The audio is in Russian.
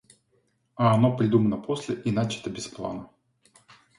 А оно придумано после и начато без плана.